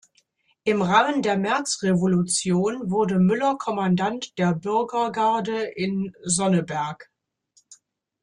Im Rahmen der Märzrevolution wurde Müller Kommandant der Bürgergarde in Sonneberg.